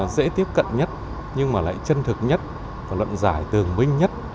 dễ tiếp cận nhất nhưng mà lại chân thực nhất và luận giải tường minh nhất